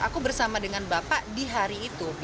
aku bersama dengan bapak di hari itu